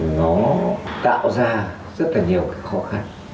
nó tạo ra rất là nhiều khó khăn